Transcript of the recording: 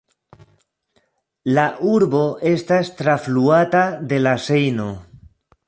La urbo estas trafluata de la Sejno.